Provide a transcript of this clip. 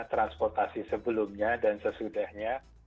transportasi sebelumnya dan sesudahnya